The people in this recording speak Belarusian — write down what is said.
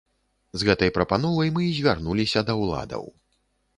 З гэтай прапановай мы і звярнуліся да ўладаў.